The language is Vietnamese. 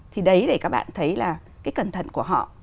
thì đấy để các bạn thấy là cái cẩn thận của họ